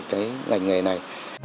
cái ngành nghề này